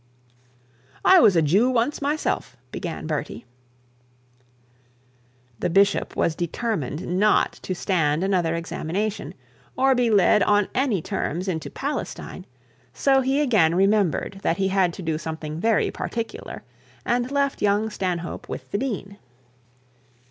'I was a Jew once myself,' said Bertie. The bishop was determined not to stand another examination, or be led on any terms into Palestine; so he again remembered that he had to do something very particular, and left young Stanhope with the dean.